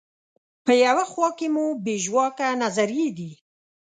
په یوه خوا کې مو بې ژواکه نظریې دي.